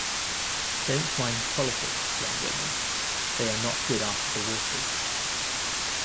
Don't mind politics, young women, they are not good after the waters.